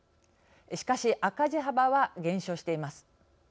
しかし、赤字幅は減少しています。